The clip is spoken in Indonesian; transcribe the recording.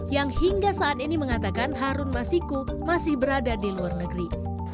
yang hingga saat ini mengatakan harun masiku masih berada di luar negeri